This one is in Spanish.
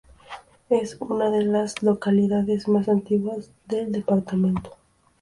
Es una de las localidades más antiguas del departamento.